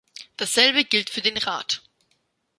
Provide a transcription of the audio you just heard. Dasselbe gilt für den Rat.